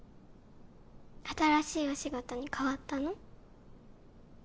新しいお仕事にかわったの？